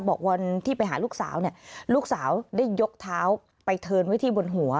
บอกวันที่ไปหาลูกสาวเนี่ยลูกสาวได้ยกเท้าไปเทินไว้ที่บนหัว